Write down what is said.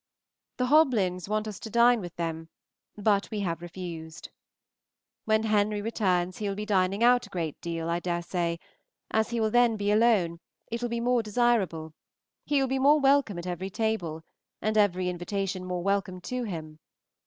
The Hoblyns want us to dine with them, but we have refused. When Henry returns he will be dining out a great deal, I dare say; as he will then be alone, it will be more desirable; he will be more welcome at every table, and every invitation more welcome to him.